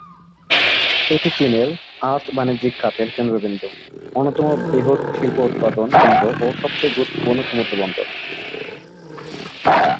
এটি চীনের আর্থ-বাণিজ্যিক খাতের কেন্দ্রবিন্দু, অন্যতম বৃহৎ শিল্পোৎপাদন কেন্দ্র ও সবচেয়ে গুরুত্বপূর্ণ সমুদ্রবন্দর।